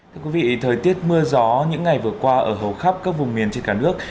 thưa quý vị thời tiết mưa gió những ngày vừa qua ở hầu khắp các vùng miền trên cả nước